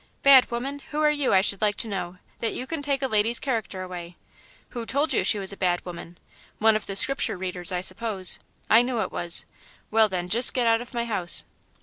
"Bad woman! Who are you, I should like to know, that you can take a lady's character away? Who told you she was a bad woman? One of the Scripture readers, I suppose! I knew it was. Well, then, just get out of my house."